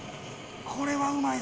これはうまいぞ！